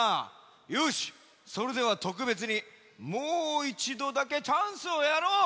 よしそれではとくべつにもういちどだけチャンスをやろう。